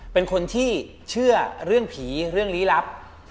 เป็นคนที่เชื่อเรื่องผีเรื่องลี้ลับ